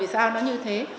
vì sao nó như thế